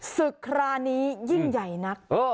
ศึกรานี้ยิ่งใหญ่นักเออ